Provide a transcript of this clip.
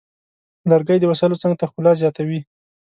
لرګی د وسایلو څنګ ته ښکلا زیاتوي.